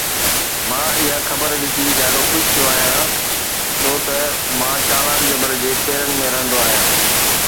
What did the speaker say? مان اها خبر ڏسي ڏاڍو خوش ٿيو آهيان ڇو ته مان چالان جبل جي پيرن ۾ رهندو آهيان